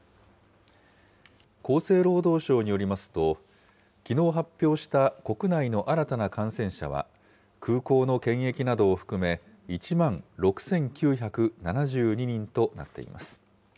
厚生労働省によりますと、きのう発表した国内の新たな感染者は、空港の検疫などを含め１万６９７２人となっています。